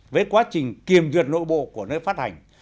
với quá trình kiểm duyệt nội bộ của nơi phát hành